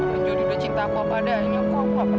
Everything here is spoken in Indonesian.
menjadi udah cinta aku apa adanya aku gak perlu berubah